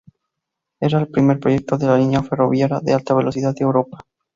Era el primer proyecto de línea ferroviaria de alta velocidad de Europa.